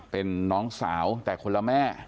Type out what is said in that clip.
เป็นน้องสาวแต่คนละแม่